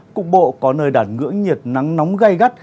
cục bộ có nơi đạt ngưỡng nhiệt nắng nóng gây gắt